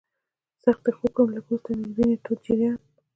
سخت یې خوږ کړم، لږ وروسته مې د وینې تود جریان.